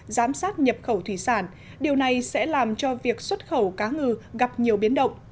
giám sát nhập khẩu thủy sản điều này sẽ làm cho việc xuất khẩu cá ngừ gặp nhiều biến động